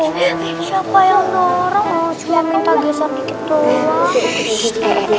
cuma minta geser dikit doang